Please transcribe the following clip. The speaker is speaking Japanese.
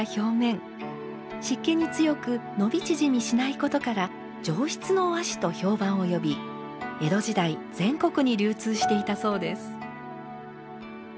湿気に強く伸び縮みしないことから上質の和紙と評判を呼び江戸時代全国に流通していたそうです。